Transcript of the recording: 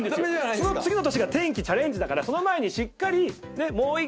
その次の年が転機チャレンジだからその前にしっかりもう１回